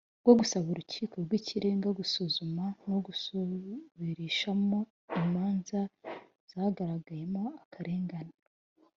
bwo gusaba urukiko rw’ikirenga gusuzuma no gusubirishamo imanza zagaragayemo akarengane.